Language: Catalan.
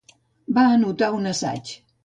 Va anotar un assaig.